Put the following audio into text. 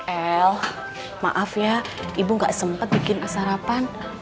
el maaf ya ibu gak sempat bikin sarapan